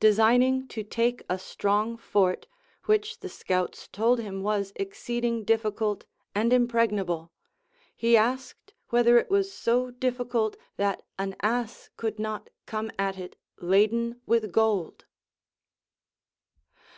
I)e siijnino: to take a strons: fort, which the scouts told him Avas exceeding difficult and impregnable, he asked Avhether it was so difficult that an ass could not come at it laden \vith gold.